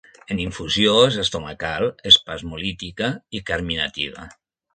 En infusió és estomacal, espasmolítica i carminativa.